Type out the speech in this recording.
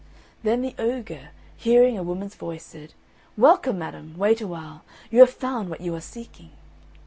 Then the ogre, hearing a woman's voice, said, "Welcome, madam! wait awhile, you have found what you are seeking."